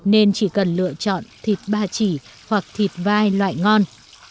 nên chỉ cần lựa chọn thịt ba chỉ hoặc thịt vai loại ngon